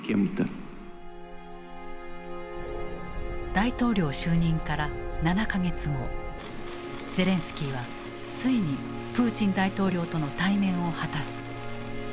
大統領就任から７か月後ゼレンスキーはついにプーチン大統領との対面を果たす。